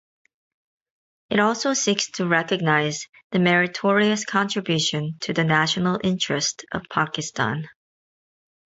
It also seeks to recognize the "meritorious contribution" to the national interest of Pakistan.